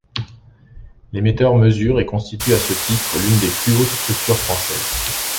L'émetteur mesure et constitue à ce titre, l'une des plus hautes structures françaises.